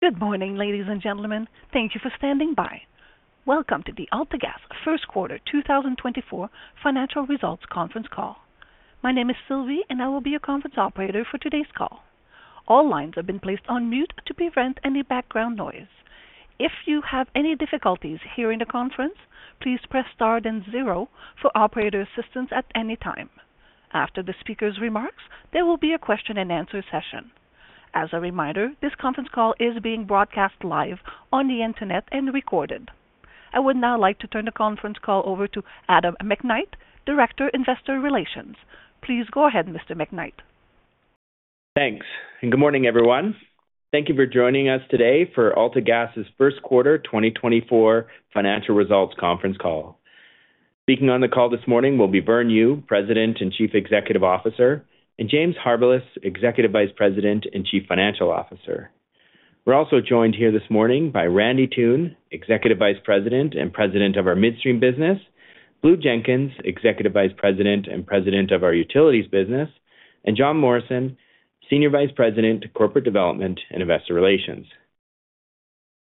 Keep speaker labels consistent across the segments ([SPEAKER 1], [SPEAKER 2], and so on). [SPEAKER 1] Good morning, ladies and gentlemen. Thank you for standing by. Welcome to the AltaGas First Quarter 2024 Financial Results Conference Call. My name is Sylvie, and I will be your conference operator for today's call. All lines have been placed on mute to prevent any background noise. If you have any difficulties hearing the conference, please press star then zero for operator assistance at any time. After the speaker's remarks, there will be a question-and-answer session. As a reminder, this conference call is being broadcast live on the internet and recorded. I would now like to turn the conference call over to Adam McKnight, Director, Investor Relations. Please go ahead, Mr. McKnight.
[SPEAKER 2] Thanks, and good morning, everyone. Thank you for joining us today for AltaGas's first quarter 2024 financial results conference call. Speaking on the call this morning will be Vern Yu, President and Chief Executive Officer, and James Harbilas, Executive Vice President and Chief Financial Officer. We're also joined here this morning by Randy Toone, Executive Vice President and President of our Midstream business, Blue Jenkins, Executive Vice President and President of our Utilities business, and John Morrison, Senior Vice President, Corporate Development and Investor Relations.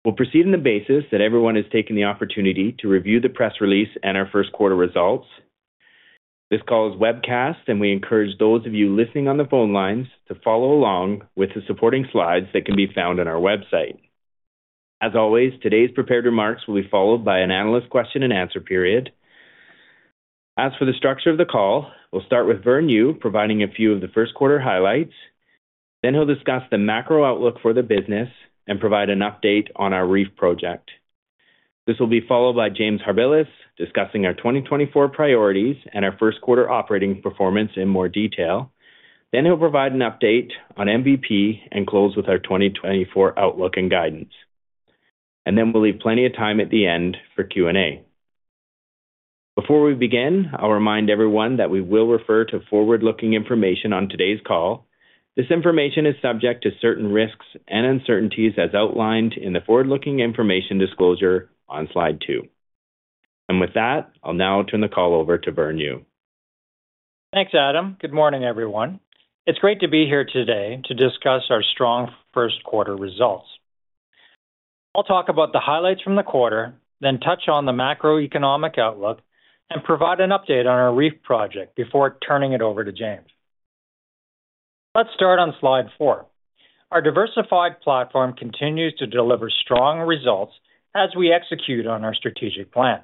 [SPEAKER 2] We'll proceed on the basis that everyone has taken the opportunity to review the press release and our first quarter results. This call is webcast, and we encourage those of you listening on the phone lines to follow along with the supporting slides that can be found on our website. As always, today's prepared remarks will be followed by an analyst question-and-answer period. As for the structure of the call, we'll start with Vern Yu providing a few of the first quarter highlights. Then he'll discuss the macro outlook for the business and provide an update on our REEF project. This will be followed by James Harbilas discussing our 2024 priorities and our first quarter operating performance in more detail. Then he'll provide an update on MVP and close with our 2024 outlook and guidance. And then we'll leave plenty of time at the end for Q&A. Before we begin, I'll remind everyone that we will refer to forward-looking information on today's call. This information is subject to certain risks and uncertainties, as outlined in the forward-looking information disclosure on slide two. And with that, I'll now turn the call over to Vern Yu.
[SPEAKER 3] Thanks, Adam. Good morning, everyone. It's great to be here today to discuss our strong first quarter results. I'll talk about the highlights from the quarter, then touch on the macroeconomic outlook and provide an update on our REEF project before turning it over to James. Let's start on slide four. Our diversified platform continues to deliver strong results as we execute on our strategic plan.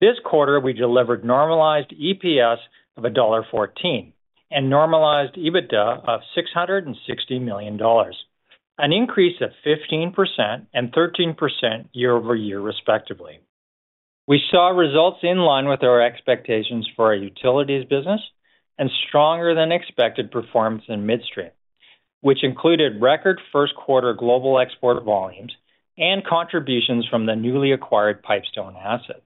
[SPEAKER 3] This quarter, we delivered normalized EPS of dollar 1.14 and normalized EBITDA of 660 million dollars, an increase of 15% and 13% year-over-year, respectively. We saw results in line with our expectations for our Utilities business and stronger than expected performance in Midstream, which included record first quarter global export volumes and contributions from the newly acquired Pipestone assets.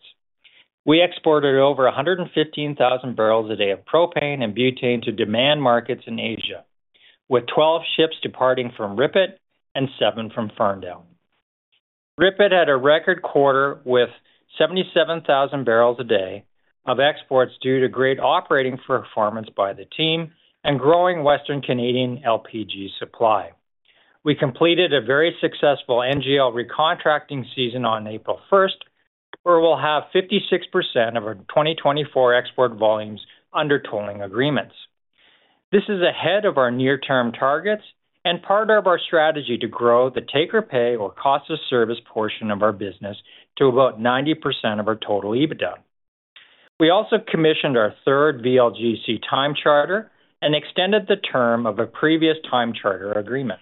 [SPEAKER 3] We exported over 115,000 barrels a day of propane and butane to demand markets in Asia, with 12 ships departing from RIPET and seven from Ferndale. RIPET had a record quarter with 77,000 barrels a day of exports due to great operating performance by the team and growing Western Canadian LPG supply. We completed a very successful NGL recontracting season on April first, where we'll have 56% of our 2024 export volumes under tolling agreements. This is ahead of our near-term targets and part of our strategy to grow the take-or-pay or cost of service portion of our business to about 90% of our total EBITDA. We also commissioned our third VLGC time charter and extended the term of a previous time charter agreement.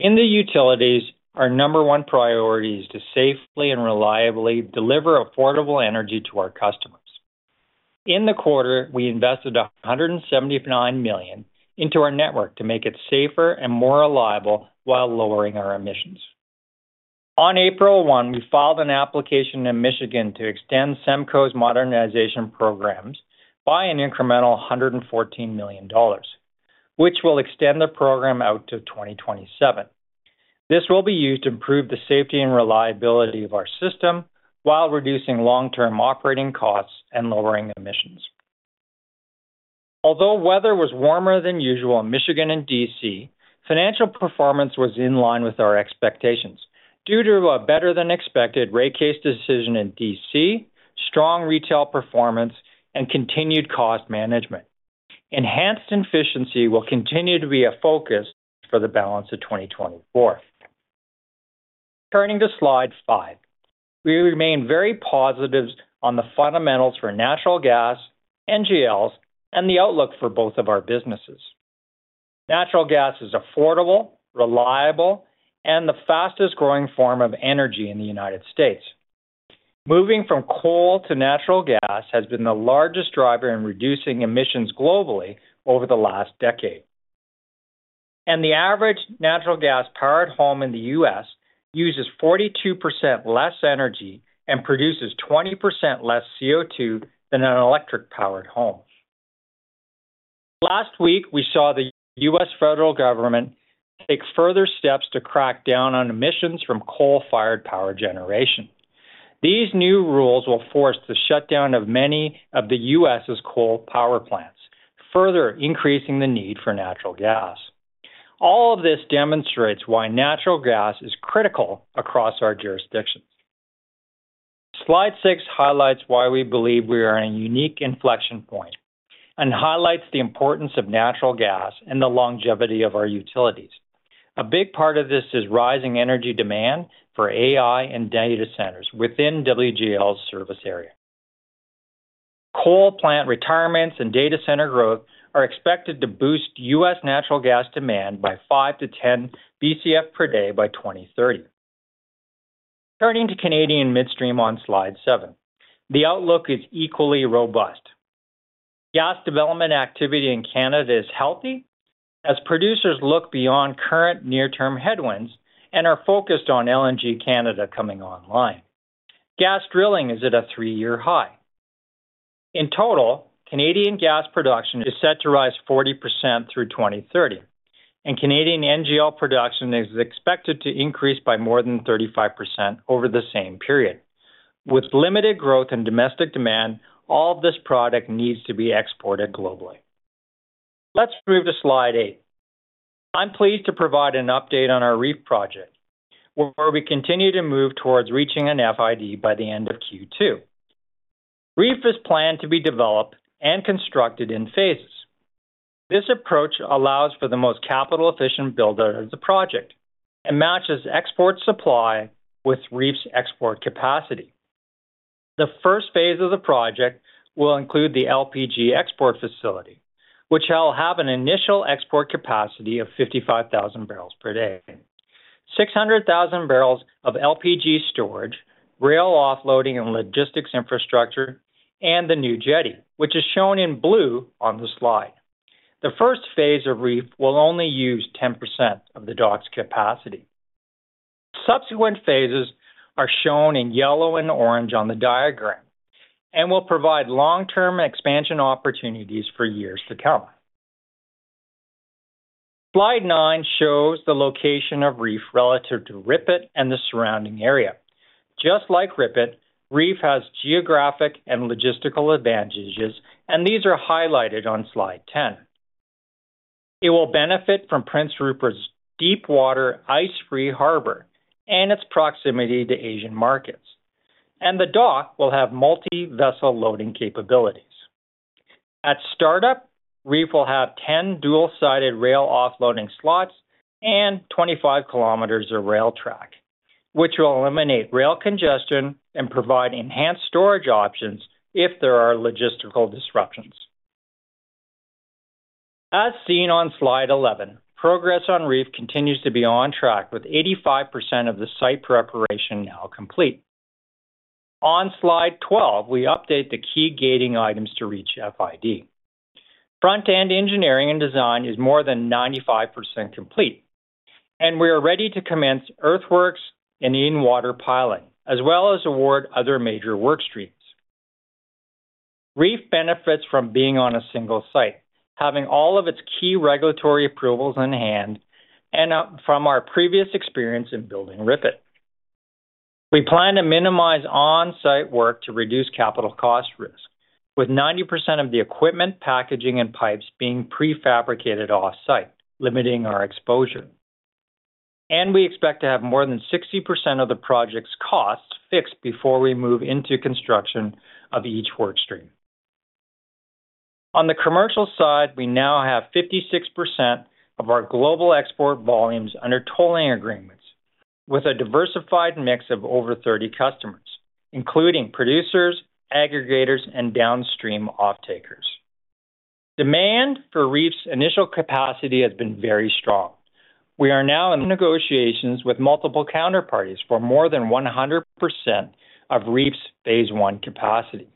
[SPEAKER 3] In the Utilities, our number one priority is to safely and reliably deliver affordable energy to our customers. In the quarter, we invested 179 million into our network to make it safer and more reliable while lowering our emissions. On April one, we filed an application in Michigan to extend SEMCO's modernization programs by an incremental $114 million, which will extend the program out to 2027. This will be used to improve the safety and reliability of our system while reducing long-term operating costs and lowering emissions. Although weather was warmer than usual in Michigan and D.C., financial performance was in line with our expectations due to a better-than-expected rate case decision in D.C., strong retail performance, and continued cost management. Enhanced efficiency will continue to be a focus for the balance of 2024. Turning to slide five. We remain very positive on the fundamentals for natural gas, NGLs, and the outlook for both of our businesses. Natural gas is affordable, reliable, and the fastest-growing form of energy in the United States. Moving from coal to natural gas has been the largest driver in reducing emissions globally over the last decade. The average natural gas-powered home in the U.S. uses 42% less energy and produces 20% less CO2 than an electric-powered home. Last week, we saw the U.S. federal government take further steps to crack down on emissions from coal-fired power generation. These new rules will force the shutdown of many of the U.S.'s coal power plants, further increasing the need for natural gas. All of this demonstrates why natural gas is critical across our jurisdictions. Slide 6 highlights why we believe we are in a unique inflection point, and highlights the importance of natural gas and the longevity of our Utilities. A big part of this is rising energy demand for AI and data centers within WGL's service area. Coal plant retirements and data center growth are expected to boost U.S. natural gas demand by 5-10 BCF per day by 2030. Turning to Canadian Midstream on slide seven, the outlook is equally robust. Gas development activity in Canada is healthy as producers look beyond current near-term headwinds and are focused on LNG Canada coming online. Gas drilling is at a three-year high. In total, Canadian gas production is set to rise 40% through 2030, and Canadian NGL production is expected to increase by more than 35% over the same period. With limited growth in domestic demand, all of this product needs to be exported globally. Let's move to slide eight. I'm pleased to provide an update on our REEF project, where we continue to move towards reaching an FID by the end of Q2. REEF is planned to be developed and constructed in phases. This approach allows for the most capital-efficient build-out of the project and matches export supply with REEF's export capacity. The first phase of the project will include the LPG export facility, which will have an initial export capacity of 55,000 barrels per day, 600,000 barrels of LPG storage, rail offloading and logistics infrastructure, and the new jetty, which is shown in blue on the slide. The first phase of REEF will only use 10% of the dock's capacity. Subsequent phases are shown in yellow and orange on the diagram, and will provide long-term expansion opportunities for years to come. Slide 9 shows the location of REEF relative to RIPET and the surrounding area. Just like RIPET, REEF has geographic and logistical advantages, and these are highlighted on Slide 10. It will benefit from Prince Rupert's deep water, ice-free harbor and its proximity to Asian markets, and the dock will have multi-vessel loading capabilities. At startup, REEF will have 10 dual-sided rail offloading slots and 25 kilometers of rail track, which will eliminate rail congestion and provide enhanced storage options if there are logistical disruptions. As seen on slide 11, progress on REEF continues to be on track, with 85% of the site preparation now complete. On slide 12, we update the key gating items to reach FID. Front-end engineering and design is more than 95% complete, and we are ready to commence earthworks and in-water piling, as well as award other major work streams. REEF benefits from being on a single site, having all of its key regulatory approvals in hand, and from our previous experience in building RIPET. We plan to minimize on-site work to reduce capital cost risk, with 90% of the equipment, packaging, and pipes being pre-fabricated off-site, limiting our exposure. And we expect to have more than 60% of the project's costs fixed before we move into construction of each work stream. On the commercial side, we now have 56% of our global export volumes under tolling agreements, with a diversified mix of over 30 customers, including producers, aggregators, and downstream offtakers. Demand for REEF's initial capacity has been very strong. We are now in negotiations with multiple counterparties for more than 100% of REEF's Phase One capacity.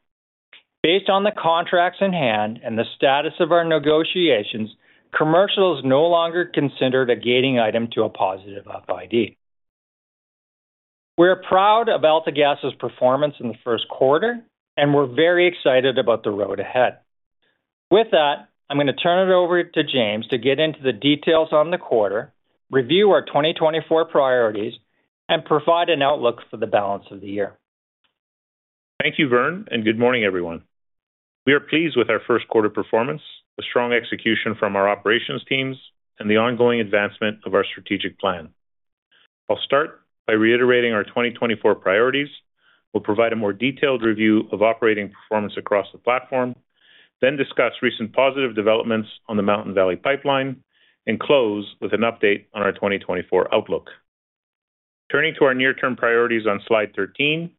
[SPEAKER 3] Based on the contracts in hand and the status of our negotiations, commercial is no longer considered a gating item to a positive FID. We're proud of AltaGas's performance in the first quarter, and we're very excited about the road ahead. With that, I'm going to turn it over to James to get into the details on the quarter, review our 2024 priorities, and provide an outlook for the balance of the year.
[SPEAKER 4] Thank you, Vern, and good morning, everyone. We are pleased with our first quarter performance, the strong execution from our operations teams, and the ongoing advancement of our strategic plan. I'll start by reiterating our 2024 priorities. We'll provide a more detailed review of operating performance across the platform, then discuss recent positive developments on the Mountain Valley Pipeline, and close with an update on our 2024 outlook. Turning to our near-term priorities on slide 13,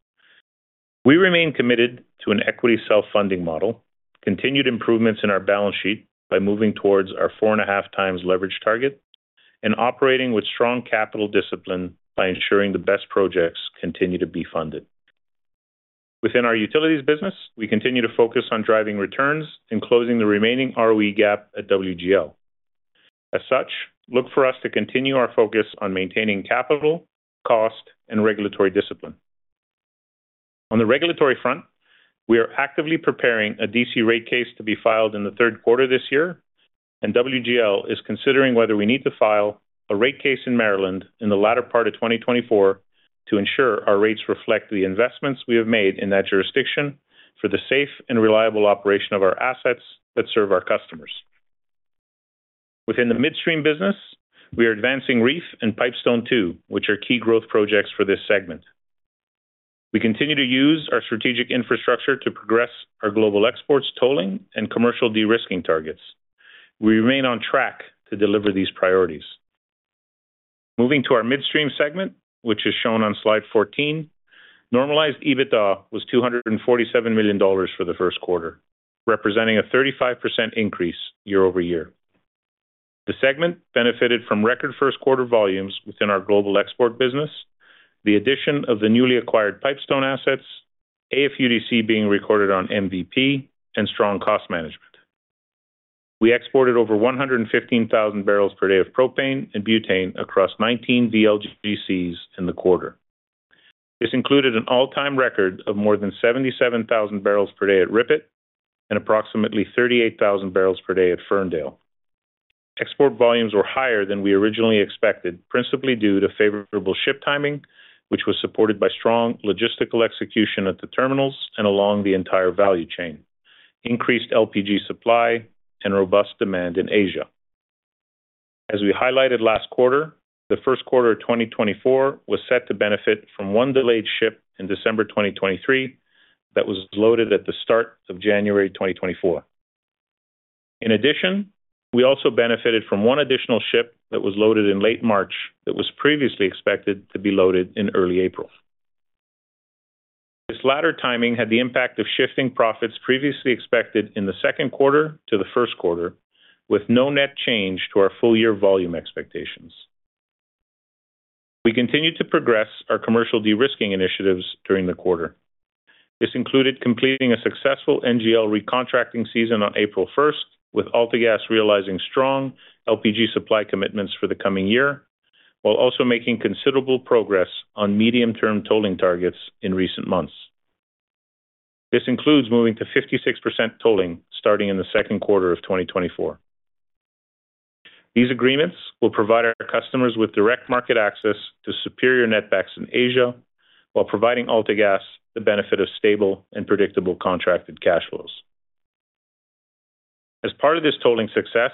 [SPEAKER 4] we remain committed to an equity self-funding model, continued improvements in our balance sheet by moving towards our 4.5x leverage target, and operating with strong capital discipline by ensuring the best projects continue to be funded. Within our Utilities business, we continue to focus on driving returns and closing the remaining ROE gap at WGL. As such, look for us to continue our focus on maintaining capital, cost, and regulatory discipline. On the regulatory front. We are actively preparing a D.C. rate case to be filed in the third quarter this year, and WGL is considering whether we need to file a rate case in Maryland in the latter part of 2024 to ensure our rates reflect the investments we have made in that jurisdiction for the safe and reliable operation of our assets that serve our customers. Within the Midstream business, we are advancing REEF and Pipestone Two, which are key growth projects for this segment. We continue to use our strategic infrastructure to progress our global exports, tolling, and commercial de-risking targets. We remain on track to deliver these priorities. Moving to our Midstream segment, which is shown on slide 14, normalized EBITDA was 247 million dollars for the first quarter, representing a 35% increase year-over-year. The segment benefited from record first quarter volumes within our global export business, the addition of the newly acquired Pipestone assets, AFUDC being recorded on MVP, and strong cost management. We exported over 115,000 barrels per day of propane and butane across 19 VLGCs in the quarter. This included an all-time record of more than 77,000 barrels per day at RIPET and approximately 38,000 barrels per day at Ferndale. Export volumes were higher than we originally expected, principally due to favorable ship timing, which was supported by strong logistical execution at the terminals and along the entire value chain, increased LPG supply, and robust demand in Asia. As we highlighted last quarter, the first quarter of 2024 was set to benefit from one delayed ship in December 2023 that was loaded at the start of January 2024. In addition, we also benefited from one additional ship that was loaded in late March that was previously expected to be loaded in early April. This latter timing had the impact of shifting profits previously expected in the second quarter to the first quarter, with no net change to our full year volume expectations. We continued to progress our commercial de-risking initiatives during the quarter. This included completing a successful NGL recontracting season on April 1, with AltaGas realizing strong LPG supply commitments for the coming year, while also making considerable progress on medium-term tolling targets in recent months. This includes moving to 56% tolling, starting in the second quarter of 2024. These agreements will provide our customers with direct market access to superior netbacks in Asia, while providing AltaGas the benefit of stable and predictable contracted cash flows. As part of this tolling success,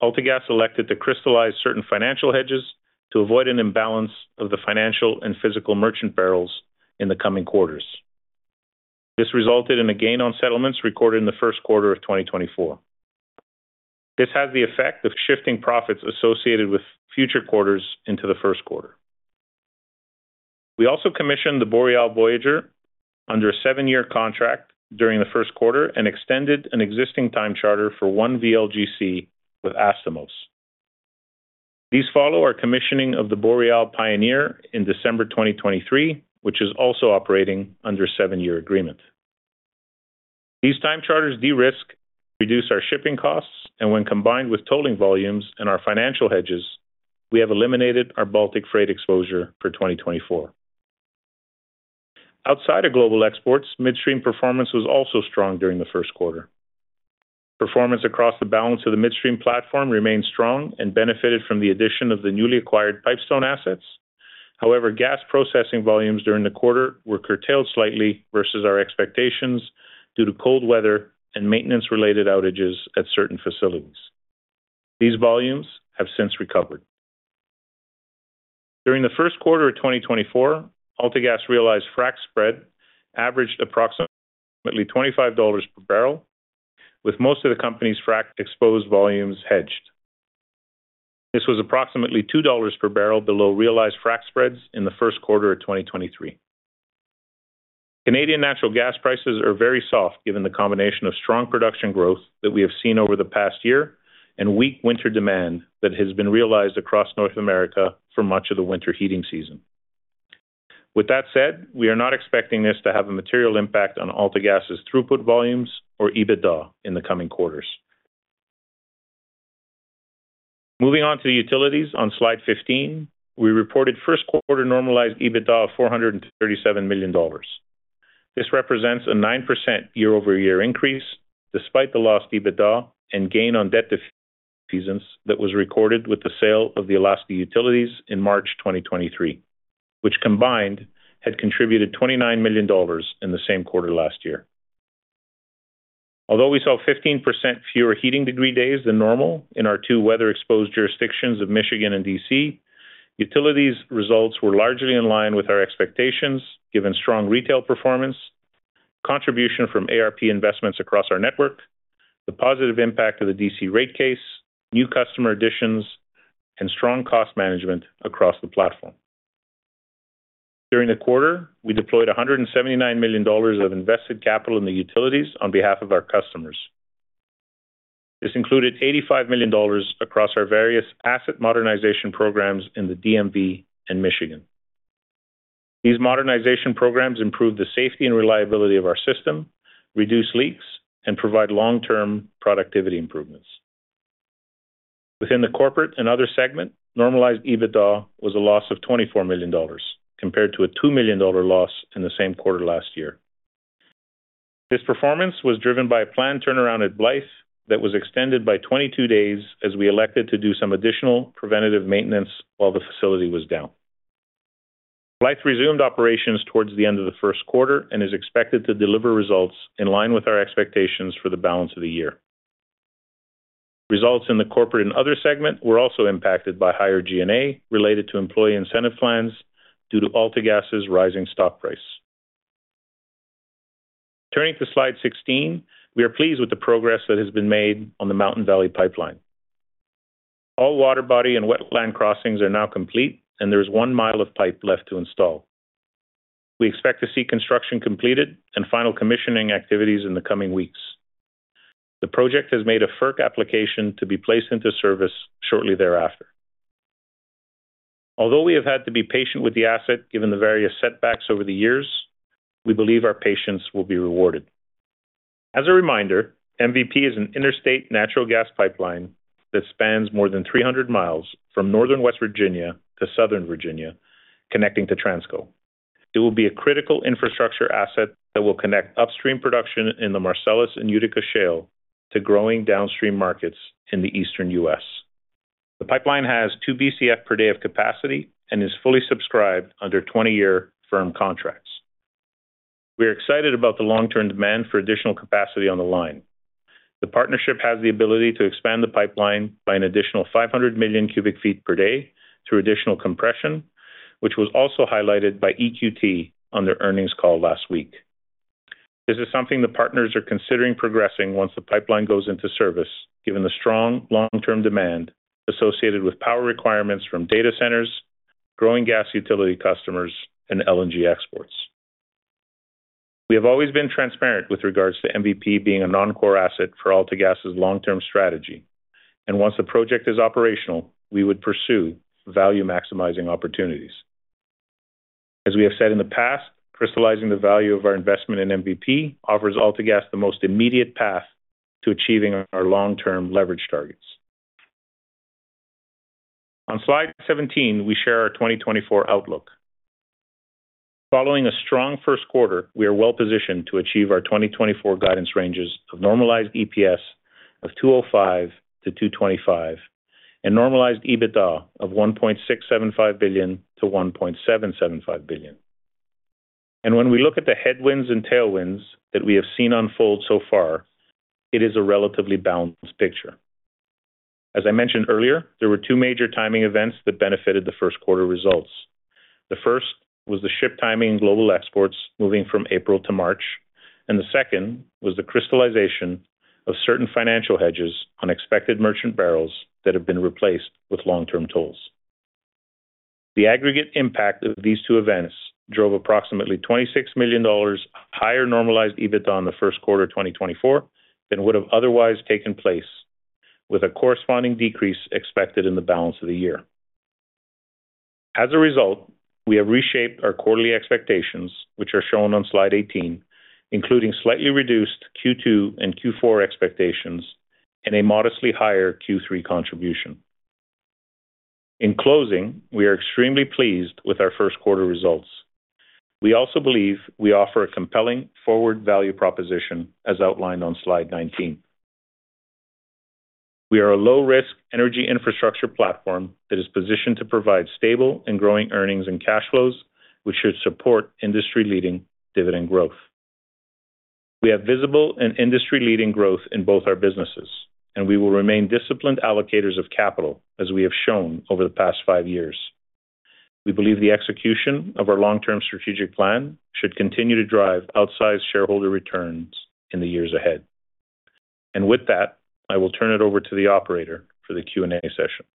[SPEAKER 4] AltaGas elected to crystallize certain financial hedges to avoid an imbalance of the financial and physical merchant barrels in the coming quarters. This resulted in a gain on settlements recorded in the first quarter of 2024. This had the effect of shifting profits associated with future quarters into the first quarter. We also commissioned the Boreal Voyager under a seven-year contract during the first quarter and extended an existing time charter for one VLGC with Astomos. These follow our commissioning of the Boreal Pioneer in December 2023, which is also operating under a seven-year agreement. These time charters de-risk, reduce our shipping costs, and when combined with tolling volumes and our financial hedges, we have eliminated our Baltic freight exposure for 2024. Outside of global exports, Midstream performance was also strong during the first quarter. Performance across the balance of the Midstream platform remained strong and benefited from the addition of the newly acquired Pipestone assets. However, gas processing volumes during the quarter were curtailed slightly versus our expectations due to cold weather and maintenance-related outages at certain facilities. These volumes have since recovered. During the first quarter of 2024, AltaGas realized frac spread averaged approximately 25 dollars per barrel, with most of the company's frac exposed volumes hedged. This was approximately 2 dollars per barrel below realized frac spreads in the first quarter of 2023. Canadian natural gas prices are very soft, given the combination of strong production growth that we have seen over the past year and weak winter demand that has been realized across North America for much of the winter heating season. With that said, we are not expecting this to have a material impact on AltaGas's throughput volumes or EBITDA in the coming quarters. Moving on to the Utilities on slide 15, we reported first quarter normalized EBITDA of 437 million dollars. This represents a 9% year-over-year increase, despite the lost EBITDA and gain on debt defeasance that was recorded with the sale of the Alaska Utilities in March 2023, which combined had contributed 29 million dollars in the same quarter last year. Although we saw 15% fewer heating degree days than normal in our two weather-exposed jurisdictions of Michigan and D.C., Utilities results were largely in line with our expectations, given strong retail performance, contribution from ARP investments across our network, the positive impact of the D.C. rate case, new customer additions, and strong cost management across the platform. During the quarter, we deployed $179 million of invested capital in the Utilities on behalf of our customers. This included $85 million across our various asset modernization programs in the DMV and Michigan. These modernization programs improve the safety and reliability of our system, reduce leaks, and provide long-term productivity improvements. Within the Corporate/Other segment, normalized EBITDA was a loss of $24 million, compared to a $2 million loss in the same quarter last year. This performance was driven by a planned turnaround at Blythe that was extended by 22 days as we elected to do some additional preventative maintenance while the facility was down. Blythe resumed operations towards the end of the first quarter and is expected to deliver results in line with our expectations for the balance of the year. Results in the Corporate/Other segment were also impacted by higher G&A related to employee incentive plans due to AltaGas's rising stock price. Turning to slide 16, we are pleased with the progress that has been made on the Mountain Valley Pipeline. All water body and wetland crossings are now complete, and there is 1 mile of pipe left to install. We expect to see construction completed and final commissioning activities in the coming weeks. The project has made a FERC application to be placed into service shortly thereafter. Although we have had to be patient with the asset, given the various setbacks over the years, we believe our patience will be rewarded. As a reminder, MVP is an interstate natural gas pipeline that spans more than 300 miles from northern West Virginia to southern Virginia, connecting to Transco. It will be a critical infrastructure asset that will connect upstream production in the Marcellus and Utica Shale to growing downstream markets in the eastern U.S. The pipeline has 2 BCF per day of capacity and is fully subscribed under 20-year firm contracts. We are excited about the long-term demand for additional capacity on the line. The partnership has the ability to expand the pipeline by an additional 500 million cubic feet per day through additional compression, which was also highlighted by EQT on their earnings call last week. This is something the partners are considering progressing once the pipeline goes into service, given the strong long-term demand associated with power requirements from data centers, growing gas utility customers, and LNG exports. We have always been transparent with regards to MVP being a non-core asset for AltaGas's long-term strategy, and once the project is operational, we would pursue value-maximizing opportunities. As we have said in the past, crystallizing the value of our investment in MVP offers AltaGas the most immediate path to achieving our long-term leverage targets. On slide 17, we share our 2024 outlook. Following a strong first quarter, we are well-positioned to achieve our 2024 guidance ranges of normalized EPS of 2.05-2.25, and normalized EBITDA of 1.675 billion-1.775 billion. When we look at the headwinds and tailwinds that we have seen unfold so far, it is a relatively balanced picture. As I mentioned earlier, there were two major timing events that benefited the first quarter results. The first was the ship timing global exports moving from April to March, and the second was the crystallization of certain financial hedges on expected merchant barrels that have been replaced with long-term tolls. The aggregate impact of these two events drove approximately 26 million dollars higher normalized EBITDA in the first quarter of 2024 than would have otherwise taken place, with a corresponding decrease expected in the balance of the year. As a result, we have reshaped our quarterly expectations, which are shown on slide 18, including slightly reduced Q2 and Q4 expectations and a modestly higher Q3 contribution. In closing, we are extremely pleased with our first quarter results. We also believe we offer a compelling forward value proposition, as outlined on slide 19. We are a low-risk energy infrastructure platform that is positioned to provide stable and growing earnings and cash flows, which should support industry-leading dividend growth. We have visible and industry-leading growth in both our businesses, and we will remain disciplined allocators of capital, as we have shown over the past five years. We believe the execution of our long-term strategic plan should continue to drive outsized shareholder returns in the years ahead. With that, I will turn it over to the operator for the Q&A session.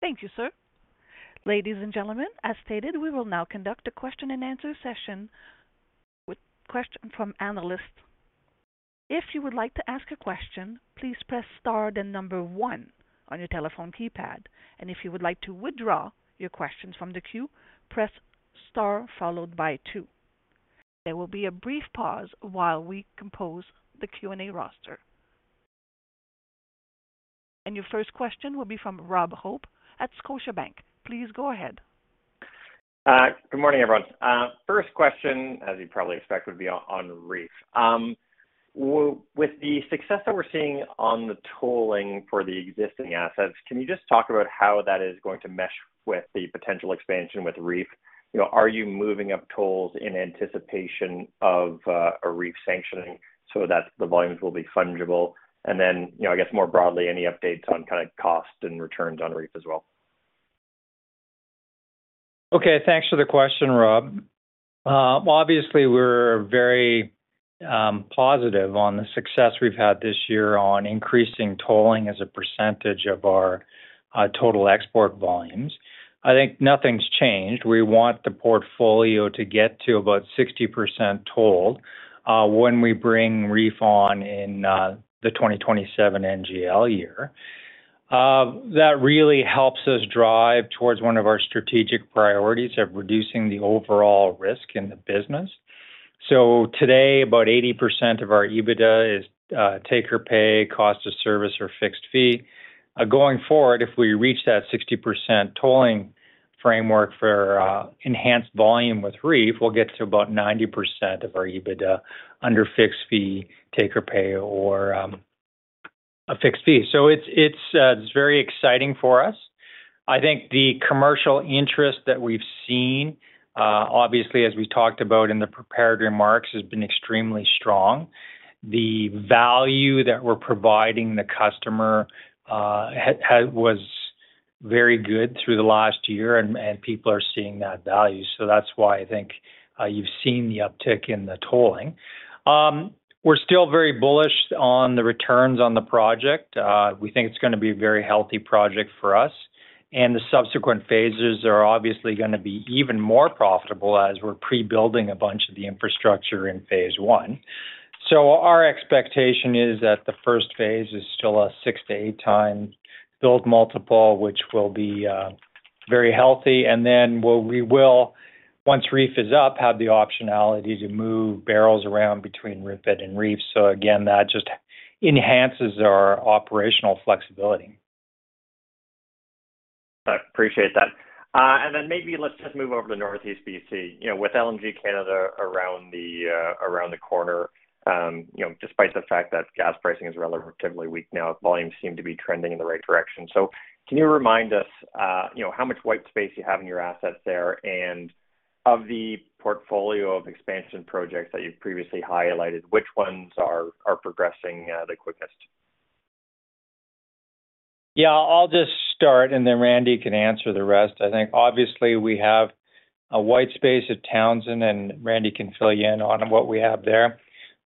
[SPEAKER 1] Thank you, sir. Ladies and gentlemen, as stated, we will now conduct a question and answer session with questions from analysts. If you would like to ask a question, please press star, then one on your telephone keypad, and if you would like to withdraw your questions from the queue, press star followed by two. There will be a brief pause while we compose the Q&A roster. Your first question will be from Rob Hope at Scotiabank. Please go ahead.
[SPEAKER 5] Good morning, everyone. First question, as you'd probably expect, would be on REEF. With the success that we're seeing on the tolling for the existing assets, can you just talk about how that is going to mesh with the potential expansion with REEF? You know, are you moving up tolls in anticipation of a REEF sanctioning so that the volumes will be fungible? And then, you know, I guess, more broadly, any updates on kind of cost and returns on REEF as well?
[SPEAKER 3] Okay, thanks for the question, Rob. Well, obviously, we're very positive on the success we've had this year on increasing tolling as a percentage of our total export volumes. I think nothing's changed. We want the portfolio to get to about 60% tolled when we bring REEF on in the 2027 NGL year. That really helps us drive towards one of our strategic priorities of reducing the overall risk in the business. ...So today, about 80% of our EBITDA is take-or-pay, cost of service or fixed fee. Going forward, if we reach that 60% tolling framework for enhanced volume with REEF, we'll get to about 90% of our EBITDA under fixed fee, take-or-pay, or a fixed fee. So it's very exciting for us. I think the commercial interest that we've seen, obviously, as we talked about in the prepared remarks, has been extremely strong. The value that we're providing the customer has been very good through the last year, and people are seeing that value. So that's why I think you've seen the uptick in the tolling. We're still very bullish on the returns on the project. We think it's gonna be a very healthy project for us, and the subsequent phases are obviously gonna be even more profitable as we're pre-building a bunch of the infrastructure in phase one. So our expectation is that the first phase is still a 6x-8x build multiple, which will be very healthy. And then we will, once REEF is up, have the optionality to move barrels around between RIPET and REEF. So again, that just enhances our operational flexibility.
[SPEAKER 5] I appreciate that. And then maybe let's just move over to Northeast BC. You know, with LNG Canada around the corner, you know, despite the fact that gas pricing is relatively weak now, volumes seem to be trending in the right direction. So can you remind us, you know, how much white space you have in your assets there, and of the portfolio of expansion projects that you've previously highlighted, which ones are progressing the quickest?
[SPEAKER 3] Yeah, I'll just start, and then Randy can answer the rest. I think obviously we have a white space at Townsend, and Randy can fill you in on what we have there.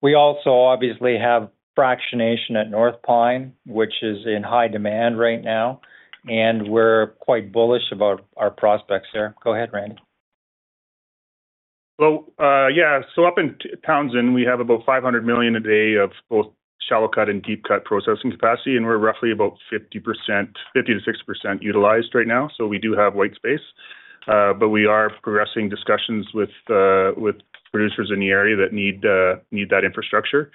[SPEAKER 3] We also obviously have fractionation at North Pine, which is in high demand right now, and we're quite bullish about our prospects there. Go ahead, Randy.
[SPEAKER 6] Well, yeah. So up in Townsend, we have about 500 million a day of both shallow cut and deep cut processing capacity, and we're roughly about 50%-60% utilized right now. So we do have white space, but we are progressing discussions with the, with producers in the area that need that infrastructure.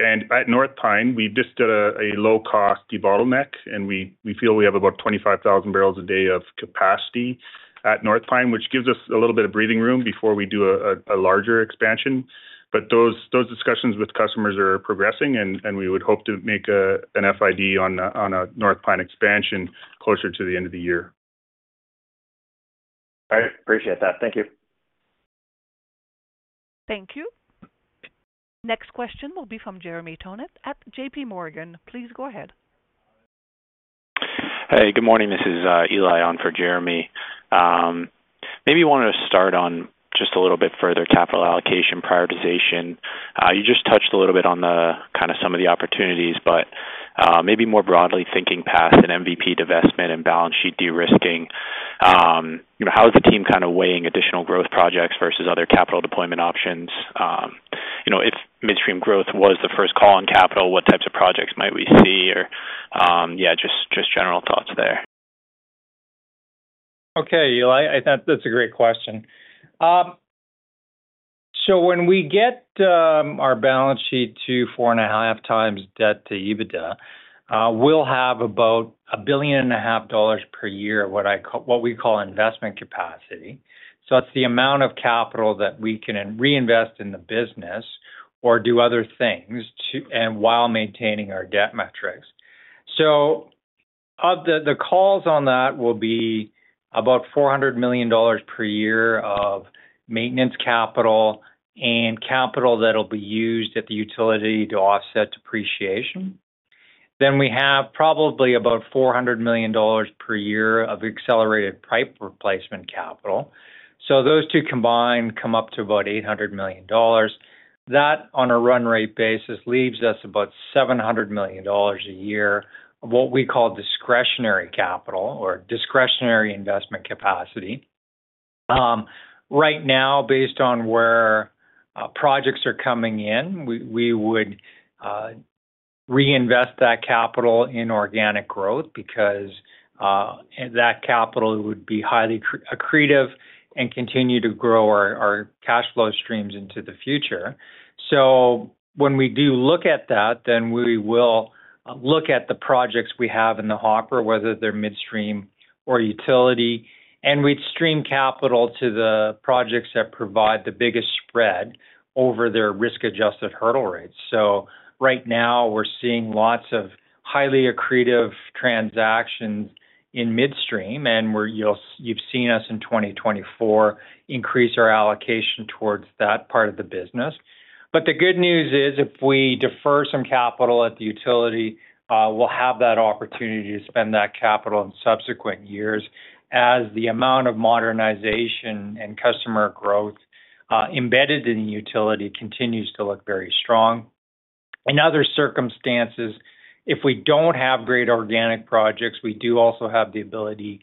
[SPEAKER 6] And at North Pine, we just did a low-cost debottleneck, and we feel we have about 25,000 barrels a day of capacity at North Pine, which gives us a little bit of breathing room before we do a larger expansion. But those discussions with customers are progressing, and we would hope to make an FID on a North Pine expansion closer to the end of the year.
[SPEAKER 5] All right, appreciate that. Thank you.
[SPEAKER 1] Thank you. Next question will be from Jeremy Tonet at JPMorgan. Please go ahead.
[SPEAKER 7] Hey, good morning. This is Eli, on for Jeremy. Maybe you want to start on just a little bit further capital allocation prioritization. You just touched a little bit on the, kind of, some of the opportunities, but maybe more broadly, thinking past an MVP divestment and balance sheet de-risking, you know, how is the team kind of weighing additional growth projects versus other capital deployment options? You know, if Midstream growth was the first call on capital, what types of projects might we see? Or, yeah, just general thoughts there.
[SPEAKER 3] Okay, Eli, I think that's a great question. So when we get our balance sheet to 4.5x debt to EBITDA, we'll have about 1.5 billion per year, what I call—what we call investment capacity. So that's the amount of capital that we can then reinvest in the business or do other things to and while maintaining our debt metrics. So of the calls on that will be about 400 million dollars per year of maintenance capital and capital that'll be used at the utility to offset depreciation. Then we have probably about 400 million dollars per year of accelerated pipe replacement capital. So those two combined come up to about 800 million dollars. That, on a run rate basis, leaves us about 700 million dollars a year, what we call discretionary capital or discretionary investment capacity. Right now, based on where projects are coming in, we would reinvest that capital in organic growth because and that capital would be highly accretive and continue to grow our cash flow streams into the future. So when we do look at that, then we will look at the projects we have in the hopper, whether they're Midstream or Utility, and we'd stream capital to the projects that provide the biggest spread over their risk-adjusted hurdle rates. So right now, we're seeing lots of highly accretive transactions in Midstream, and you'll have seen us in 2024 increase our allocation towards that part of the business. But the good news is, if we defer some capital at the utility, we'll have that opportunity to spend that capital in subsequent years as the amount of modernization and customer growth, embedded in the utility continues to look very strong. In other circumstances, if we don't have great organic projects, we do also have the ability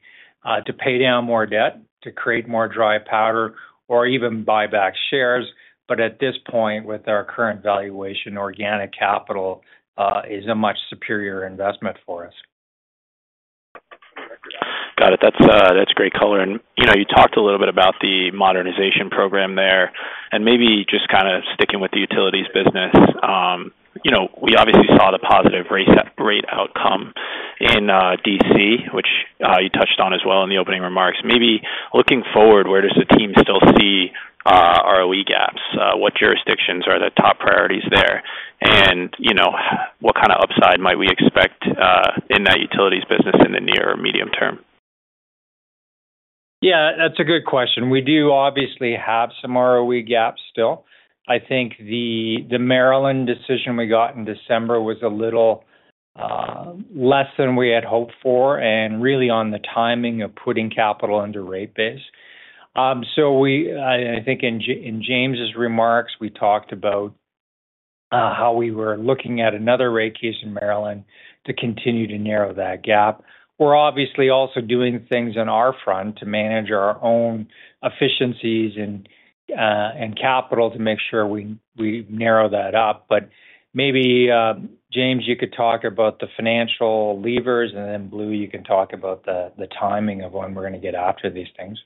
[SPEAKER 3] to pay down more debt, to create more dry powder, or even buy back shares. But at this point, with our current valuation, organic capital is a much superior investment for us.
[SPEAKER 7] ...But that's, that's great color. And, you know, you talked a little bit about the modernization program there, and maybe just kind of sticking with the Utilities business. You know, we obviously saw the positive rate, rate outcome in D.C., which you touched on as well in the opening remarks. Maybe looking forward, where does the team still see ROE gaps? What jurisdictions are the top priorities there? And, you know, what kind of upside might we expect in that Utilities business in the near or medium term?
[SPEAKER 3] Yeah, that's a good question. We do obviously have some ROE gaps still. I think the Maryland decision we got in December was a little less than we had hoped for, and really on the timing of putting capital under rate base. So we and I think in James' remarks, we talked about how we were looking at another rate case in Maryland to continue to narrow that gap. We're obviously also doing things on our front to manage our own efficiencies and capital to make sure we narrow that up. But maybe James, you could talk about the financial levers, and then, Blue, you can talk about the timing of when we're going to get after these things.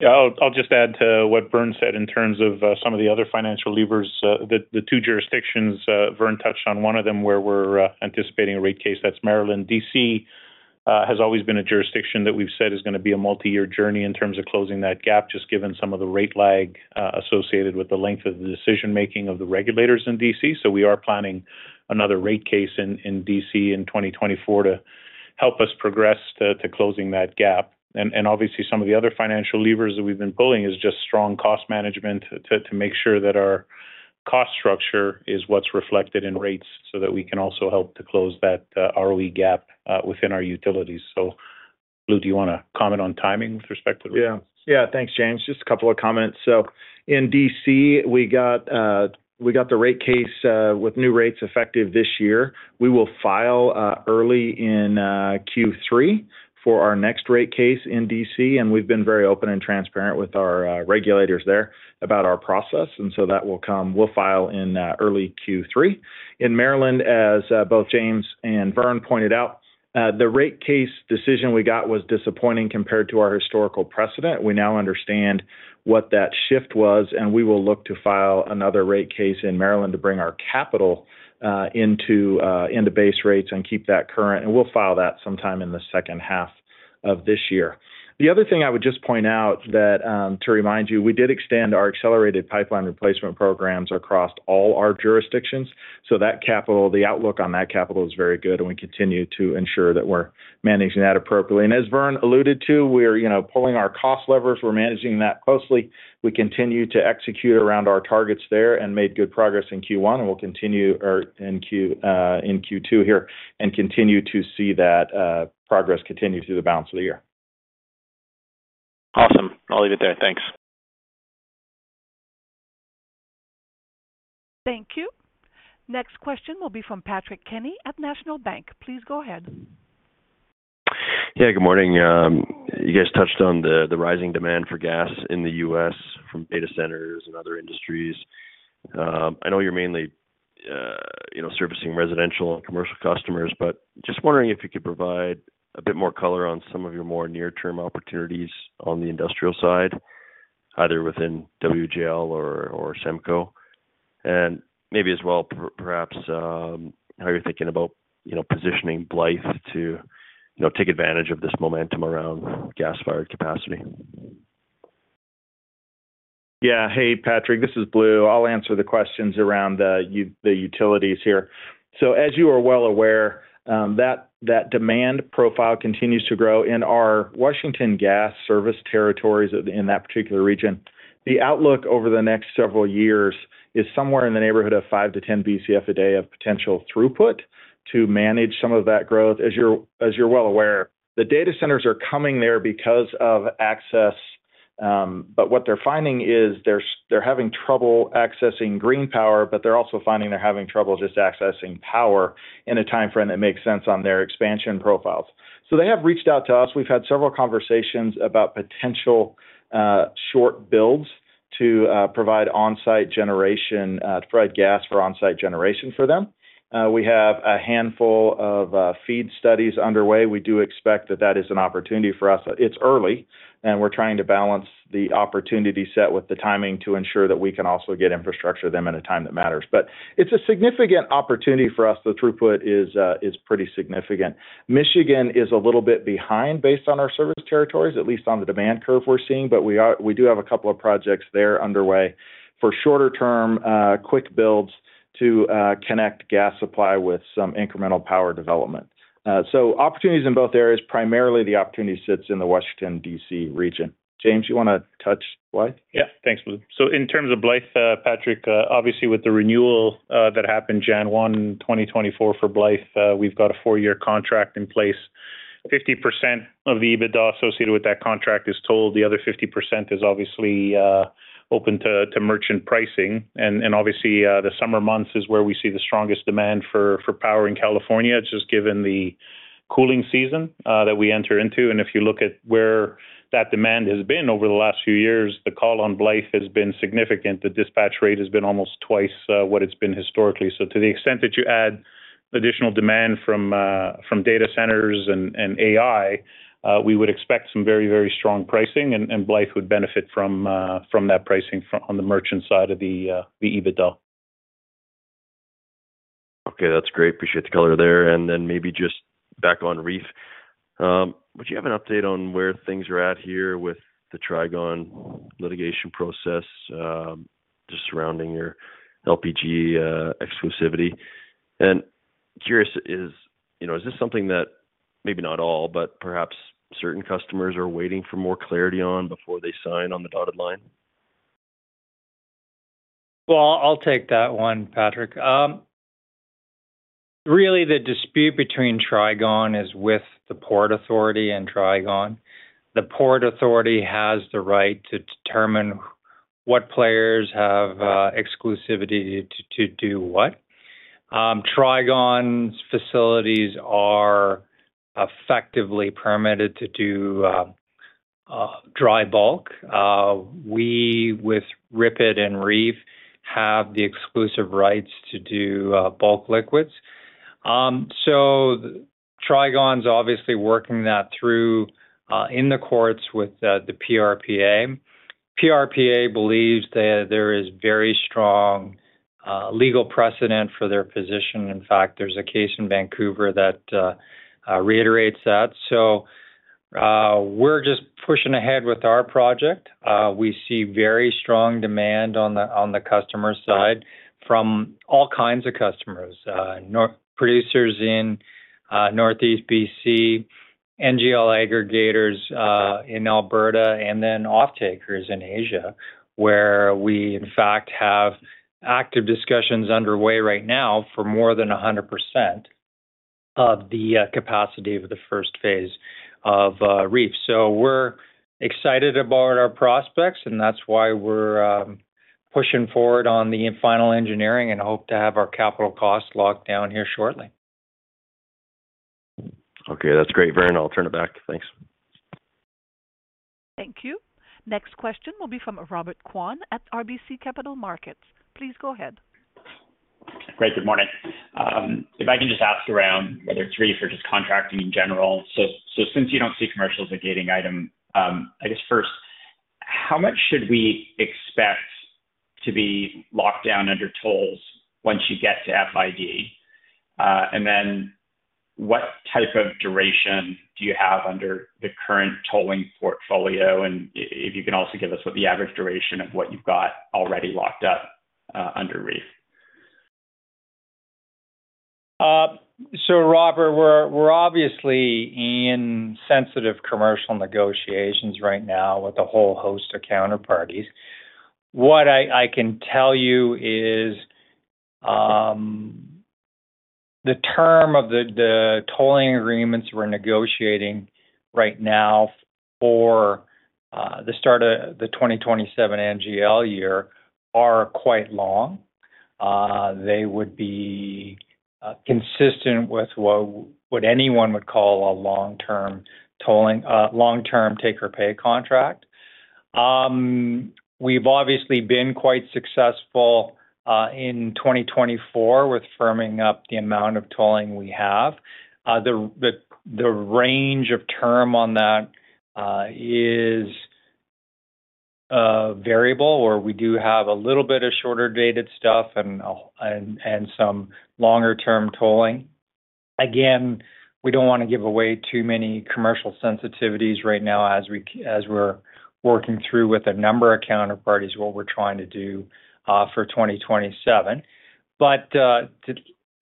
[SPEAKER 4] Yeah, I'll, I'll just add to what Vern said in terms of, some of the other financial levers. The, the two jurisdictions, Vern touched on one of them where we're, anticipating a rate case, that's Maryland. D.C., has always been a jurisdiction that we've said is gonna be a multi-year journey in terms of closing that gap, just given some of the rate lag, associated with the length of the decision-making of the regulators in D.C. So we are planning another rate case in, in D.C. in 2024 to help us progress to, to closing that gap. And obviously, some of the other financial levers that we've been pulling is just strong cost management to make sure that our cost structure is what's reflected in rates, so that we can also help to close that ROE gap within our Utilities. So, Blue, do you want to comment on timing with respect to the-
[SPEAKER 8] Yeah. Yeah, thanks, James. Just a couple of comments. So in D.C., we got the rate case with new rates effective this year. We will file early in Q3 for our next rate case in D.C., and we've been very open and transparent with our regulators there about our process, and so that will come. We'll file in early Q3. In Maryland, as both James and Vern pointed out, the rate case decision we got was disappointing compared to our historical precedent. We now understand what that shift was, and we will look to file another rate case in Maryland to bring our capital into base rates and keep that current, and we'll file that sometime in the second half of this year. The other thing I would just point out that to remind you, we did extend our accelerated pipeline replacement programs across all our jurisdictions, so that capital, the outlook on that capital is very good, and we continue to ensure that we're managing that appropriately. As Vern alluded to, we are, you know, pulling our cost levers. We're managing that closely. We continue to execute around our targets there and made good progress in Q1, and we'll continue in Q2 here, and continue to see that progress continue through the balance of the year.
[SPEAKER 7] Awesome. I'll leave it there. Thanks.
[SPEAKER 1] Thank you. Next question will be from Patrick Kenny at National Bank. Please go ahead.
[SPEAKER 9] Yeah, good morning. You guys touched on the, the rising demand for gas in the U.S. from data centers and other industries. I know you're mainly, you know, servicing residential and commercial customers, but just wondering if you could provide a bit more color on some of your more near-term opportunities on the industrial side, either within WGL or, or SEMCO? And maybe as well, perhaps, how you're thinking about, you know, positioning Blythe to, you know, take advantage of this momentum around gas-fired capacity.
[SPEAKER 8] Yeah. Hey, Patrick, this is Blue. I'll answer the questions around the Utilities here. So as you are well aware, that demand profile continues to grow in our Washington Gas service territories in that particular region. The outlook over the next several years is somewhere in the neighborhood of 5-10 BCF a day of potential throughput to manage some of that growth. As you're well aware, the data centers are coming there because of access, but what they're finding is they're having trouble accessing green power, but they're also finding they're having trouble just accessing power in a timeframe that makes sense on their expansion profiles. So they have reached out to us. We've had several conversations about potential short builds to provide on-site generation to provide gas for on-site generation for them. We have a handful of FEED studies underway. We do expect that that is an opportunity for us. It's early, and we're trying to balance the opportunity set with the timing to ensure that we can also get infrastructure to them in a time that matters. But it's a significant opportunity for us. The throughput is pretty significant. Michigan is a little bit behind based on our service territories, at least on the demand curve we're seeing, but we do have a couple of projects there underway for shorter term quick builds to connect gas supply with some incremental power development. So opportunities in both areas, primarily the opportunity sits in the Washington, D.C., region. James, you want to touch Blythe?
[SPEAKER 4] Yeah. Thanks, Blue. So in terms of Blythe, Patrick, obviously with the renewal that happened January 1, 2024, for Blythe, we've got a four-year contract in place. 50% of the EBITDA associated with that contract is tolled. The other 50% is obviously open to merchant pricing. And obviously, the summer months is where we see the strongest demand for power in California, just given the cooling season that we enter into. And if you look at where that demand has been over the last few years, the call on Blythe has been significant. The dispatch rate has been almost twice what it's been historically. So to the extent that you add-... additional demand from data centers and AI, we would expect some very, very strong pricing, and Blythe would benefit from that pricing on the merchant side of the EBITDA.
[SPEAKER 9] Okay, that's great. Appreciate the color there. And then maybe just back on REEF. Would you have an update on where things are at here with the Trigon litigation process, just surrounding your LPG exclusivity? And curious, is, you know, is this something that maybe not all, but perhaps certain customers are waiting for more clarity on before they sign on the dotted line?
[SPEAKER 3] Well, I'll take that one, Patrick. Really, the dispute between Trigon is with the Port Authority and Trigon. The Port Authority has the right to determine what players have exclusivity to do what. Trigon's facilities are effectively permitted to do dry bulk. We, with RIPET and REEF, have the exclusive rights to do bulk liquids. So, Trigon's obviously working that through in the courts with the PRPA. PRPA believes that there is very strong legal precedent for their position. In fact, there's a case in Vancouver that reiterates that. So, we're just pushing ahead with our project. We see very strong demand on the customer side from all kinds of customers, producers in Northeast BC, NGL aggregators in Alberta, and then offtakers in Asia, where we, in fact, have active discussions underway right now for more than 100% of the capacity of the first phase of REEF. So we're excited about our prospects, and that's why we're pushing forward on the final engineering and hope to have our capital costs locked down here shortly.
[SPEAKER 9] Okay, that's great, Vern. I'll turn it back. Thanks.
[SPEAKER 1] Thank you. Next question will be from Robert Kwan at RBC Capital Markets. Please go ahead.
[SPEAKER 10] Great. Good morning. If I can just ask around whether it's REEF or just contracting in general. So since you don't see commercial as a gating item, I guess first, how much should we expect to be locked down under tolls once you get to FID? And then, what type of duration do you have under the current tolling portfolio? And if you can also give us what the average duration of what you've got already locked up under REEF.
[SPEAKER 3] So Robert, we're obviously in sensitive commercial negotiations right now with a whole host of counterparties. What I can tell you is, the term of the tolling agreements we're negotiating right now for the start of the 2027 NGL year are quite long. They would be consistent with what anyone would call a long-term tolling, long-term take-or-pay contract. We've obviously been quite successful in 2024 with firming up the amount of tolling we have. The range of term on that is variable, where we do have a little bit of shorter-dated stuff and some longer-term tolling. Again, we don't want to give away too many commercial sensitivities right now as we're working through with a number of counterparties what we're trying to do for 2027. But to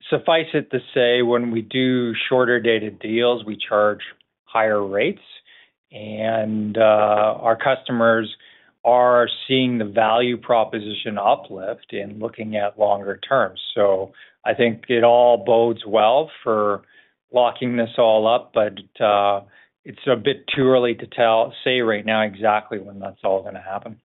[SPEAKER 3] suffice it to say, when we do shorter-dated deals, we charge higher rates, and our customers are seeing the value proposition uplift in looking at longer terms. So I think it all bodes well for locking this all up, but it's a bit too early to say right now exactly when that's all gonna happen.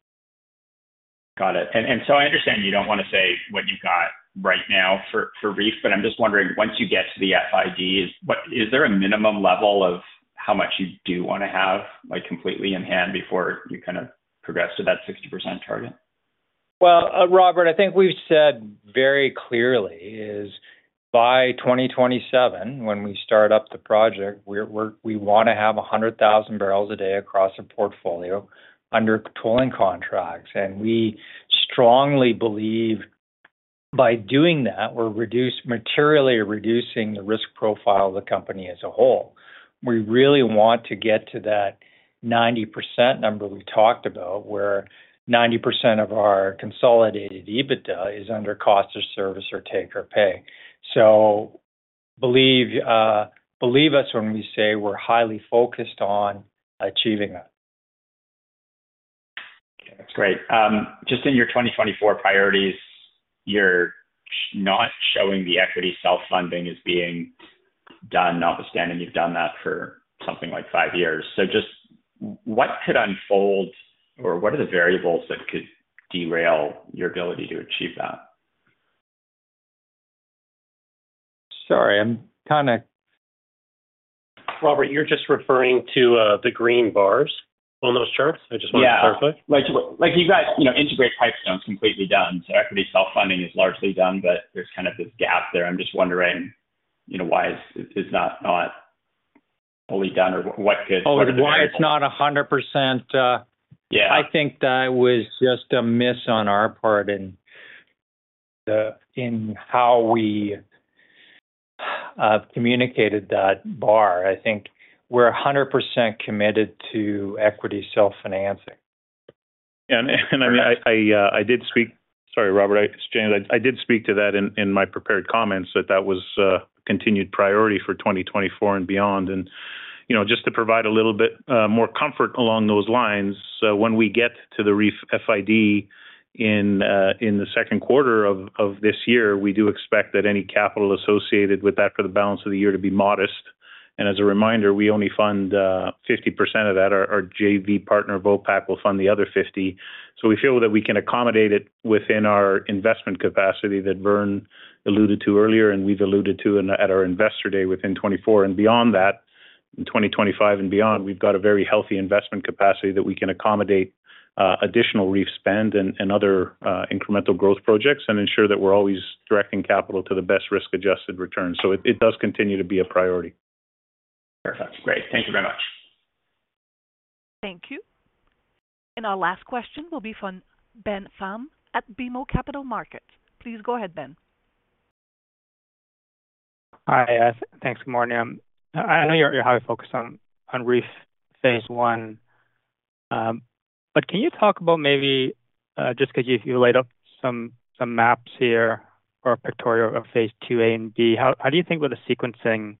[SPEAKER 10] Got it. And, and so I understand you don't wanna say what you've got right now for, for REEF, but I'm just wondering, once you get to the FIDs, what is there a minimum level of how much you do wanna have, like, completely in hand before you kind of progress to that 60% target?
[SPEAKER 3] Well, Robert, I think we've said very clearly is, by 2027, when we start up the project, we're – we wanna have 100,000 barrels a day across the portfolio under tolling contracts. And we strongly believe by doing that, we're reduced – materially reducing the risk profile of the company as a whole. We really want to get to that 90% number we talked about, where 90% of our consolidated EBITDA is under cost of service or take or pay. So believe us when we say we're highly focused on achieving that.
[SPEAKER 10] Okay, that's great. Just in your 2024 priorities, you're not showing the equity self-funding as being done, notwithstanding you've done that for something like five years. So just what could unfold, or what are the variables that could derail your ability to achieve that?
[SPEAKER 3] Sorry, I'm kinda......
[SPEAKER 6] Robert, you're just referring to the green bars on those charts? I just wanna clarify.
[SPEAKER 10] Yeah, like you guys, you know, integrate Pipestone completely done. So equity self-funding is largely done, but there's kind of this gap there. I'm just wondering, you know, why is not fully done or what could-
[SPEAKER 3] Oh, why it's not 100%,
[SPEAKER 10] Yeah.
[SPEAKER 3] I think that was just a miss on our part in the, in how we, communicated that bar. I think we're 100% committed to equity self-financing.
[SPEAKER 4] Yeah, and I did speak... Sorry, Robert. James, I did speak to that in my prepared comments, that that was a continued priority for 2024 and beyond. And, you know, just to provide a little bit more comfort along those lines, so when we get to the REEF FID in the second quarter of this year, we do expect that any capital associated with that for the balance of the year to be modest. And as a reminder, we only fund 50% of that. Our JV partner, Vopak, will fund the other 50. So we feel that we can accommodate it within our investment capacity that Vern alluded to earlier, and we've alluded to in at our Investor Day within 2024. Beyond that, in 2025 and beyond, we've got a very healthy investment capacity that we can accommodate additional REEF spend and other incremental growth projects, and ensure that we're always directing capital to the best risk-adjusted returns. It does continue to be a priority.
[SPEAKER 10] Perfect. Great. Thank you very much.
[SPEAKER 1] Thank you. Our last question will be from Ben Pham at BMO Capital Markets. Please go ahead, Ben.
[SPEAKER 11] Hi, thanks. Good morning. I know you're highly focused on REEF phase I. But can you talk about maybe just 'cause you laid out some maps here or a pictorial of Phase Two A and B? How do you think with the sequencing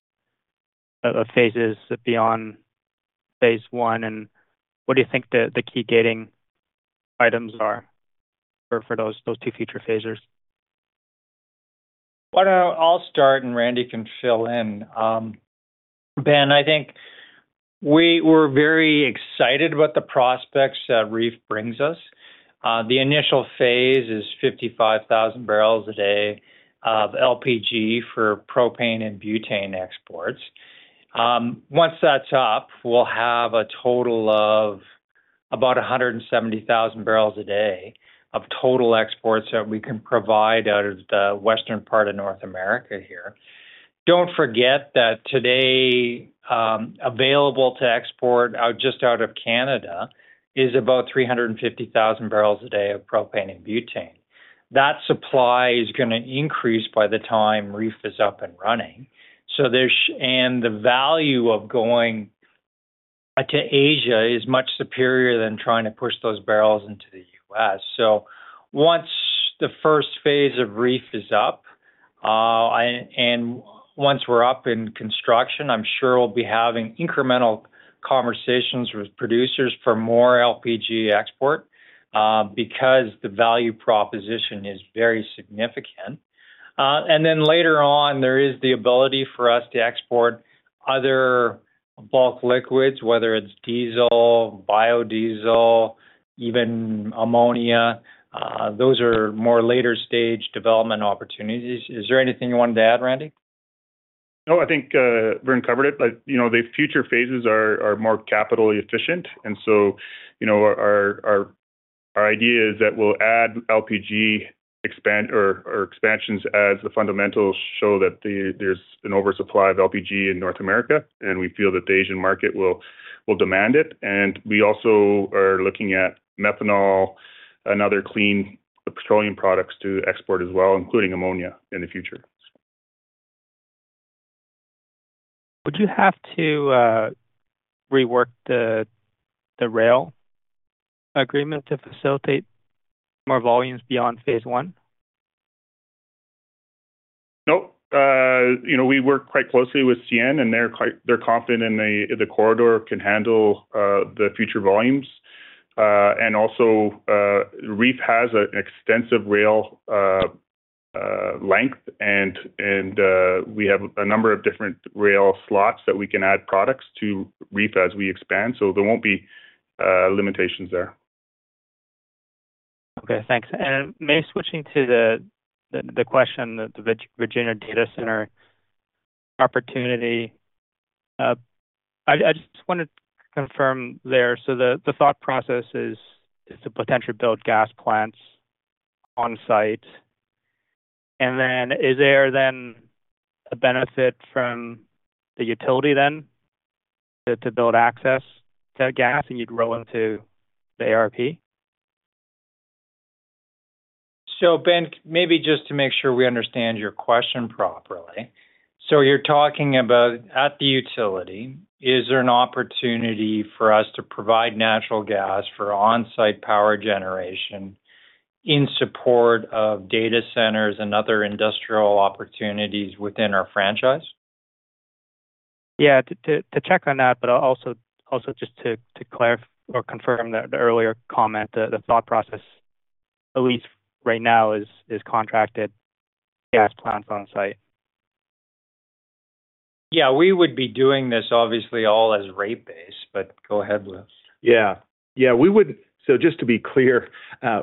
[SPEAKER 11] of phases beyond Phase One? And what do you think the key gating items are for those two future phases?
[SPEAKER 3] Why don't I'll start, and Randy can fill in. Ben, I think we're very excited about the prospects that REEF brings us. The initial phase is 55,000 barrels a day of LPG for propane and butane exports. Once that's up, we'll have a total of about 170,000 barrels a day of total exports that we can provide out of the western part of North America here. Don't forget that today, available to export out, just out of Canada, is about 350,000 barrels a day of propane and butane. That supply is gonna increase by the time REEF is up and running. And the value of going to Asia is much superior than trying to push those barrels into the U.S. So once the first phase of REEF is up, and once we're up in construction, I'm sure we'll be having incremental conversations with producers for more LPG export, because the value proposition is very significant. And then later on, there is the ability for us to export other bulk liquids, whether it's diesel, biodiesel, even ammonia. Those are more later-stage development opportunities. Is there anything you wanted to add, Randy?
[SPEAKER 6] No, I think, Vern covered it. Like, you know, the future phases are more capitally efficient, and so, you know, our idea is that we'll add LPG expansion or expansions as the fundamentals show that there's an oversupply of LPG in North America, and we feel that the Asian market will demand it. And we also are looking at methanol and other clean petroleum products to export as well, including ammonia in the future.
[SPEAKER 11] Would you have to rework the rail agreement to facilitate more volumes beyond phase one?
[SPEAKER 6] Nope. You know, we work quite closely with CN, and they're quite confident in the corridor can handle the future volumes. And also, REEF has an extensive rail length, and we have a number of different rail slots that we can add products to REEF as we expand, so there won't be limitations there.
[SPEAKER 11] Okay, thanks. And maybe switching to the question that the Virginia Data Center opportunity. I just wanted to confirm there, so the thought process is to potentially build gas plants on site. And then is there a benefit from the utility to build access to the gas, and you'd roll into the ARP?
[SPEAKER 3] So Ben, maybe just to make sure we understand your question properly. So you're talking about, at the utility, is there an opportunity for us to provide natural gas for on-site power generation in support of data centers and other industrial opportunities within our franchise?
[SPEAKER 11] Yeah. To check on that, but also just to clarify or confirm the earlier comment, the thought process, at least right now, is contracted gas plant on site.
[SPEAKER 3] Yeah, we would be doing this obviously all as rate base, but go ahead, Blue.
[SPEAKER 8] Yeah. ...Yeah, we would—so just to be clear,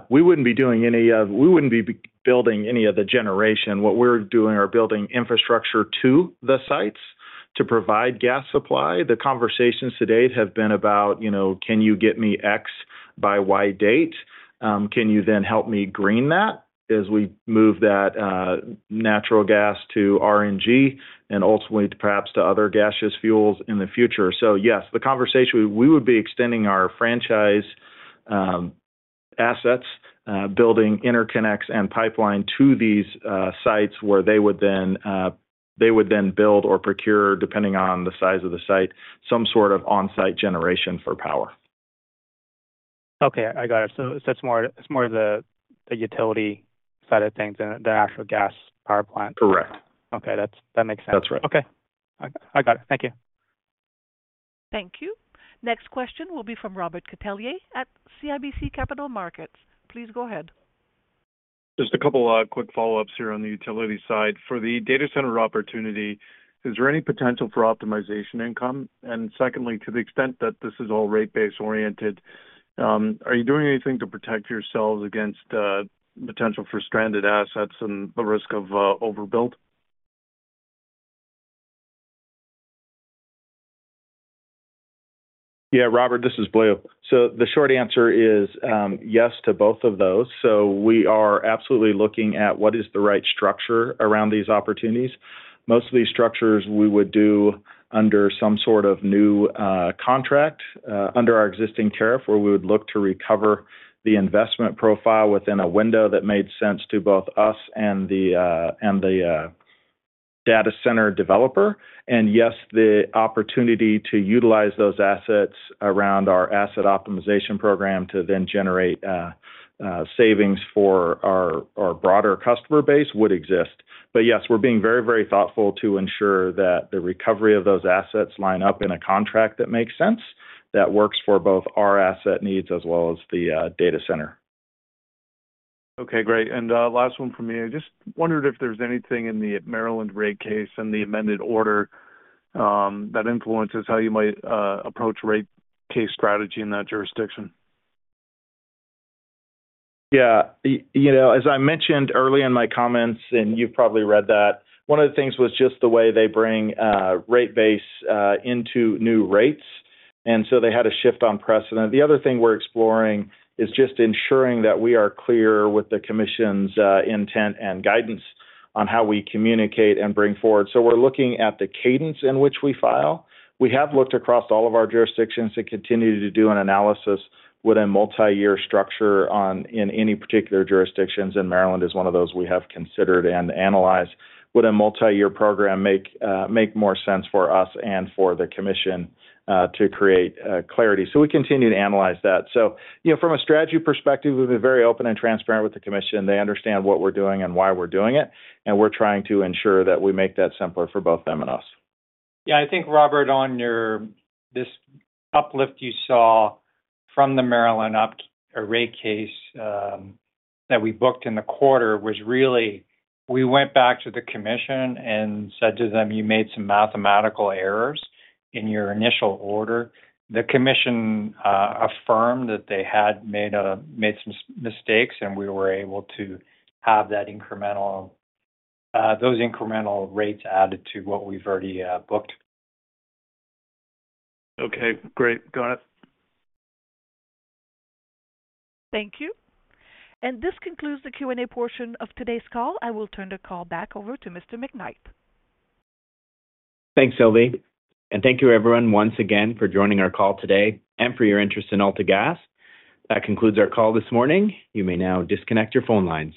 [SPEAKER 8] we wouldn't be doing any, we wouldn't be building any of the generation. What we're doing are building infrastructure to the sites to provide gas supply. The conversations to date have been about, you know, can you get me X by Y date? Can you then help me green that as we move that, natural gas to RNG and ultimately perhaps to other gaseous fuels in the future? So yes, the conversation, we would be extending our franchise, assets, building interconnects and pipeline to these, sites where they would then, they would then build or procure, depending on the size of the site, some sort of on-site generation for power.
[SPEAKER 11] Okay, I got it. So it's more of the utility side of things than the actual gas power plant?
[SPEAKER 8] Correct.
[SPEAKER 11] Okay, that makes sense.
[SPEAKER 8] That's right.
[SPEAKER 11] Okay. I got it. Thank you.
[SPEAKER 1] Thank you. Next question will be from Robert Catellier at CIBC Capital Markets. Please go ahead.
[SPEAKER 12] Just a couple quick follow-ups here on the utility side. For the data center opportunity, is there any potential for optimization income? And secondly, to the extent that this is all rate base oriented, are you doing anything to protect yourselves against potential for stranded assets and the risk of overbuild?
[SPEAKER 8] Yeah, Robert, this is Blue. So the short answer is, yes to both of those. So we are absolutely looking at what is the right structure around these opportunities. Most of these structures we would do under some sort of new, contract, under our existing tariff, where we would look to recover the investment profile within a window that made sense to both us and the data center developer. And yes, the opportunity to utilize those assets around our asset optimization program to then generate, savings for our broader customer base would exist. But yes, we're being very, very thoughtful to ensure that the recovery of those assets line up in a contract that makes sense, that works for both our asset needs as well as the data center.
[SPEAKER 12] Okay, great. And last one from me. I just wondered if there's anything in the Maryland rate case and the amended order that influences how you might approach rate case strategy in that jurisdiction?
[SPEAKER 8] Yeah. You know, as I mentioned early in my comments, and you've probably read that, one of the things was just the way they bring rate base into new rates, and so they had a shift on precedent. The other thing we're exploring is just ensuring that we are clear with the Commission's intent and guidance on how we communicate and bring forward. So we're looking at the cadence in which we file. We have looked across all of our jurisdictions and continue to do an analysis with a multi-year structure on, in any particular jurisdictions, and Maryland is one of those we have considered and analyzed. Would a multi-year program make more sense for us and for the Commission to create clarity? So we continue to analyze that. You know, from a strategy perspective, we've been very open and transparent with the Commission. They understand what we're doing and why we're doing it, and we're trying to ensure that we make that simpler for both them and us.
[SPEAKER 3] Yeah, I think, Robert, on your—this uplift you saw from the Maryland op, or rate case, that we booked in the quarter, was really... We went back to the Commission and said to them, "You made some mathematical errors in your initial order." The Commission affirmed that they had made some mistakes, and we were able to have that incremental, those incremental rates added to what we've already booked.
[SPEAKER 12] Okay, great. Got it.
[SPEAKER 1] Thank you. This concludes the Q&A portion of today's call. I will turn the call back over to Mr. McKnight.
[SPEAKER 2] Thanks, Sylvie, and thank you, everyone, once again for joining our call today and for your interest in AltaGas. That concludes our call this morning. You may now disconnect your phone lines.